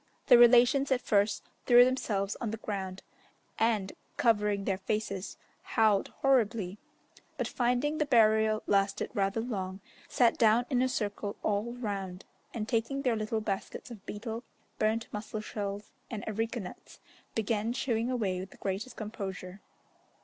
The relations at first threw themselves on the ground, and, covering their faces, howled horribly, but finding the burial lasted rather long, sat down in a circle all round, and taking their little baskets of betel, burnt mussel shells, and areca nuts, began chewing away with the greatest composure.